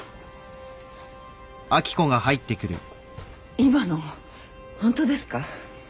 ☎今のホントですか？